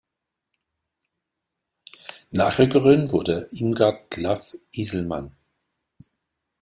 Nachrückerin wurde Irmgard Klaff-Isselmann.